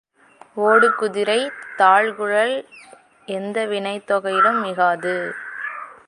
ஓடு குதிரை, தாழ்குழல் எந்த வினைத் தொகையிலும் மிகாது.